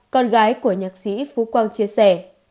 con gái của nhạc sĩ phú quang chia sẻ